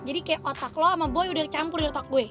jadi kayak otak lo sama boy udah campur di otak gue